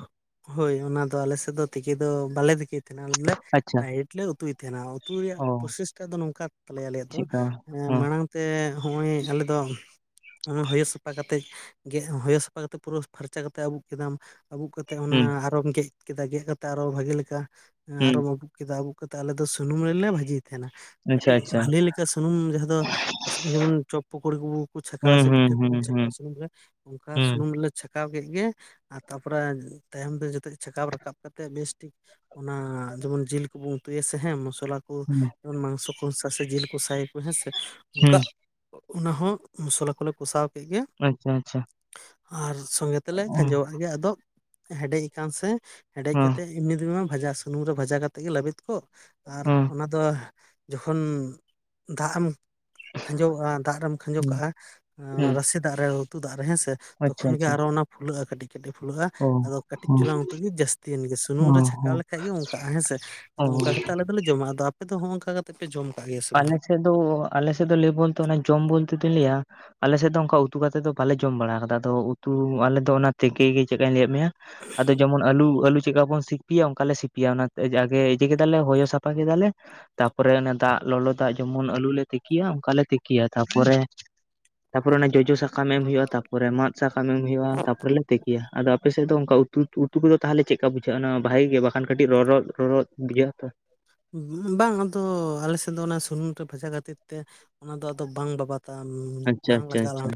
ᱦᱳᱭ ᱚᱱᱟ ᱫᱚ ᱟᱞᱮᱥᱮᱜ ᱫᱚ ᱛᱮᱠᱮ ᱫᱚ ᱵᱟᱞᱮ ᱛᱤᱠᱤᱭ ᱛᱟᱦᱮᱱᱟ ᱟᱞᱮ ᱫᱚᱞᱮ ᱟᱪᱪᱷᱟ ᱰᱟᱭᱨᱮᱴ ᱞᱮ ᱩᱛᱩᱭ ᱛᱟᱦᱮᱱᱟ ᱩᱛᱩ ᱨᱮᱭᱟᱜ ᱚ ᱯᱚᱥᱮᱥᱴᱟᱜ ᱫᱚ ᱱᱚᱝᱠᱟ ᱛᱟᱞᱮᱭᱟ ᱟᱞᱮ ᱫᱚ ᱪᱮᱫᱠᱟ ᱮᱸ ᱦᱚᱸ ᱢᱟᱲᱟᱝ ᱛᱮ ᱦᱚᱸᱜᱼᱚᱭ ᱟᱞᱮ ᱫᱚ ᱚᱱᱟ ᱦᱚᱭᱚ ᱥᱟᱯᱷᱟ ᱠᱟᱛᱮᱜ ᱜᱮᱜ ᱦᱚᱭᱚ ᱥᱟᱯᱷᱟ ᱠᱟᱛᱮᱜ ᱯᱩᱨᱟᱹ ᱯᱷᱟᱨᱪᱟ ᱠᱟᱛᱮᱜ ᱟᱹᱵᱩᱜ ᱠᱮᱫᱟᱢ᱾ ᱟᱵᱩᱠ ᱠᱟᱛᱮᱜ ᱚᱱᱟ ᱦᱩᱸ ᱟᱨᱚᱢ ᱜᱮᱜ ᱠᱮᱫᱟ ᱜᱮᱜ ᱠᱟᱛᱮᱜ ᱟᱨᱚ ᱵᱷᱟᱜᱮ ᱞᱮᱠᱟ ᱦᱩᱸ ᱟᱨᱚᱢ ᱟᱵᱩᱜ ᱠᱮᱫᱟ᱾ ᱠᱟᱛᱮᱜ ᱟᱞᱮ ᱫᱚ ᱥᱩᱱᱩᱢ ᱨᱮᱞᱮ ᱵᱷᱟᱹᱡᱤᱭ ᱛᱟᱦᱮᱱᱟ ᱟᱪᱪᱷᱟ ᱠᱟᱹᱴᱤᱡ ᱟᱪᱪᱷᱟ ᱵᱷᱟᱞᱮ ᱞᱮᱠᱟ ᱥᱩᱱᱩᱢ ᱡᱟᱦᱟᱸ ᱫᱚ ᱡᱮᱢᱚᱱ ᱪᱚᱯ ᱯᱚᱠᱚᱲᱤ ᱠᱚ ᱠᱚ ᱪᱷᱟᱠᱟᱣᱟ ᱦᱩᱸ ᱥᱮ ᱦᱩᱸ ᱯᱤᱴᱷᱟᱹ ᱦᱩᱸ ᱠᱚᱵᱚᱱ ᱦᱩᱸ ᱪᱷᱟᱠᱟᱣᱟ ᱥᱩᱱᱩᱢ ᱨᱮ ᱚᱝᱠᱟ ᱦᱩᱸ ᱥᱩᱱᱩᱢᱞᱮ ᱪᱷᱟᱸᱠᱟᱣ ᱠᱮᱜ ᱜᱮ ᱟᱨ ᱛᱟᱯᱚᱨᱮ ᱛᱟᱭᱚᱢ ᱛᱮ ᱡᱚᱛᱚᱡ ᱪᱷᱟᱠᱟᱣ ᱨᱟᱠᱟᱵ ᱠᱟᱛᱮᱜ ᱵᱮᱥᱴᱤᱠ᱾ ᱚᱱᱟ ᱡᱮᱢᱚᱱ ᱡᱮᱞ ᱠᱚᱵᱚᱱ ᱩᱛᱩᱭᱟᱥᱮ ᱦᱮᱸ ᱢᱚᱥᱚᱞᱟ ᱠᱚ ᱦᱩᱸ ᱡᱮᱢᱚᱱ ᱢᱟᱝᱥᱚ ᱠᱚᱥᱟ ᱥᱮ ᱡᱮᱞ ᱠᱚᱥᱟᱭᱟᱠᱚ ᱦᱮᱸᱥᱮ ᱚᱝᱠᱟ ᱦᱩᱸ ᱚᱱᱟ ᱦᱚᱸ ᱢᱚᱥᱞᱟ ᱠᱚᱞᱮ ᱠᱚᱥᱟᱣ ᱠᱮᱜ ᱜᱮ᱾ ᱟᱪᱪᱷᱟ ᱟᱪᱪᱷᱟ᱾ ᱟᱨ ᱥᱚᱸᱜᱮ ᱚ ᱛᱮᱞᱮ ᱠᱷᱟᱸᱡᱚᱣᱟᱜ ᱜᱮ ᱟᱫᱚ ᱦᱮᱰᱮᱡ ᱟᱠᱟᱱ ᱥᱮ ᱦᱮᱰᱮᱡ ᱦᱚᱸ ᱠᱟᱛᱮᱡ᱾ ᱮᱢᱱᱤ ᱫᱤᱱ ᱵᱷᱟᱡᱟ ᱥᱩᱱᱩᱢ ᱨᱮ ᱵᱷᱟᱡᱟ ᱠᱟᱛᱮᱜ ᱜᱮ ᱞᱟᱹᱵᱤᱫ ᱠᱚᱜ ᱟᱨ ᱦᱚᱸ ᱚᱱᱟ ᱫᱚ ᱡᱚᱠᱷᱚᱱ ᱫᱟᱜ ᱮᱢ ᱠᱷᱟᱸᱡᱚᱣᱚᱜᱼᱟ ᱫᱟᱜ ᱨᱮᱢ ᱠᱷᱟᱸᱡᱚ ᱦᱩᱸ ᱠᱟᱜᱼᱟ ᱚᱱᱟ ᱦᱩᱸ ᱨᱟᱥᱮ ᱫᱟᱜ ᱨᱮ ᱩᱛᱩ ᱫᱟᱜ ᱨᱮ ᱦᱮᱸᱥᱮ᱾ ᱟᱪᱪᱷᱟ ᱛᱚᱠᱷᱚᱱ ᱜᱮ ᱟᱪᱪᱷᱟ ᱟᱨᱚ ᱚᱱᱟ ᱯᱷᱩᱞᱟᱹᱜᱼᱟ ᱠᱟᱹᱴᱤᱡ᱾ ᱠᱟᱹᱴᱤᱡ ᱯᱷᱩᱞᱟᱹᱜᱼᱟ ᱚ ᱟᱫᱚ ᱠᱟᱹᱴᱤᱡ ᱦᱚᱸ ᱪᱚᱞᱟᱝ ᱩᱛᱩ ᱜᱤ ᱡᱟᱹᱥᱛᱤᱭᱮᱱ ᱜᱮ ᱚ ᱥᱩᱱᱩᱢ ᱨᱮ ᱦᱚᱸ ᱪᱷᱟᱠᱟᱣ ᱞᱮᱠᱷᱟᱡ ᱜᱮ ᱚᱝᱠᱟᱜᱼᱟ ᱦᱮᱸᱥᱮ᱾ ᱚ ᱟᱫᱚ ᱚᱱᱠᱟ ᱠᱟᱛᱮ ᱟᱞᱮ ᱫᱚᱞᱮ ᱡᱚᱢᱟ, ᱟᱫᱚ ᱟᱯᱮ ᱫᱚ ᱦᱚᱸᱜᱼᱚᱝᱠᱟ ᱠᱟᱛᱮᱜ ᱯᱮ ᱡᱚᱢ ᱠᱟᱜ ᱜᱮᱭᱟ ᱥᱮ ᱵᱟᱝ? ᱟᱫᱚ ᱟᱞᱮ ᱥᱮᱜ ᱫᱚ ᱞᱮᱭ ᱵᱚᱞᱛᱮ ᱚᱱᱟ ᱡᱚᱢ ᱵᱚᱞᱛᱮ ᱫᱩᱧ ᱞᱮᱭᱟ ᱟᱞᱮ ᱥᱮᱜ ᱫᱚ ᱚᱝᱠᱟ ᱩᱛᱩ ᱠᱟᱛᱮᱫ ᱫᱚ ᱵᱟᱞᱮ ᱡᱚᱢ ᱵᱟᱲᱟᱣ ᱠᱟᱫᱟ ᱟᱫᱚ ᱩᱛᱩ ᱟᱞᱮ ᱫᱚ ᱚᱱᱟ ᱛᱮᱠᱮ ᱜᱮ ᱪᱮᱫᱠᱟᱧ ᱞᱟᱹᱭᱟᱜ ᱢᱮᱭᱟ᱾ ᱟᱫᱚ ᱡᱮᱢᱚᱱ ᱟᱹᱞᱩ ᱟᱹᱞᱩ ᱪᱮᱜᱠᱟ ᱵᱚᱱ ᱥᱤᱯᱤᱭᱟ ᱚᱝᱠᱟ ᱞᱮ ᱥᱤᱯᱤᱭᱟ ᱚᱱᱟ ᱛᱮᱜ ᱡᱟᱜᱮ ᱤᱡᱟᱹ ᱠᱮᱫᱟᱞᱮ ᱦᱚᱭᱚ ᱥᱟᱯᱷᱟ ᱠᱮᱫᱟᱞᱮ᱾ ᱛᱟᱯᱚᱨᱮ ᱚᱱᱮ ᱫᱟᱜ ᱞᱚᱞᱚ ᱫᱟᱜ ᱡᱮᱢᱚᱱ ᱟᱹᱞᱩ ᱞᱮ ᱛᱤᱠᱤᱭᱟ ᱚᱝᱠᱟᱞᱮ ᱛᱤᱠᱤᱭᱟ ᱛᱟᱯᱚᱨᱮ᱾ ᱛᱟᱯᱚᱨᱮ ᱚᱱᱟ ᱡᱚᱡᱚ ᱥᱟᱠᱟᱢ ᱮᱢ ᱦᱩᱭᱩᱜᱼᱟ ᱛᱟᱯᱚᱨᱮ ᱢᱟᱫ ᱥᱟᱠᱟᱢ ᱮᱢ ᱦᱩᱭᱩᱜᱼᱟ ᱛᱟᱯᱚᱨᱮ ᱞᱮ ᱛᱤᱠᱤᱭᱟ ᱟᱫᱚ ᱟᱯᱮᱥᱮᱫ ᱫᱚ ᱚᱱᱠᱟ ᱩᱛᱩ ᱩᱛᱩ ᱠᱚᱫᱚ ᱛᱟᱦᱚᱞᱮ ᱪᱮᱫᱠᱟ ᱵᱩᱡᱷᱟᱹᱜᱼᱟ ᱚᱱᱟ ᱵᱷᱟᱜᱤ ᱜᱮ ᱵᱟᱠᱷᱟᱱ ᱠᱟᱹᱴᱤᱡ ᱨᱚᱨᱚᱫ ᱨᱚᱨᱚᱫ ᱵᱩᱡᱷᱟᱹᱜ ᱟ ᱛᱚ᱾ ᱵᱟᱝ ᱟᱫᱚ ᱟᱞᱮᱥᱮᱫ ᱫᱚ ᱚᱱᱟ ᱥᱩᱱᱩᱢ ᱨᱮ ᱵᱷᱟᱡᱟ ᱠᱷᱟᱹᱛᱤᱨ ᱛᱮ ᱚᱱᱟᱫᱚ ᱟᱫᱚ ᱵᱟᱝ ᱵᱟᱵᱟᱫ ᱛᱟᱢ ᱟᱪᱪᱷᱟ ᱵᱟᱝ ᱟᱪᱪᱷᱟ ᱞᱟᱜᱟᱜᱼᱟ᱾ ᱟᱪᱪᱷᱟ